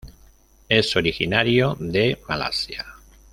Es originario de Malasia.